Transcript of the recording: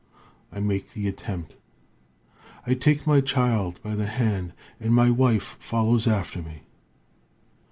I make the attempt.' "'I take my child by the hand, and my wife follows after me.